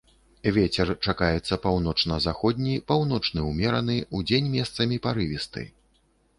Вецер чакаецца паўночна-заходні, паўночны ўмераны, удзень месцамі парывісты.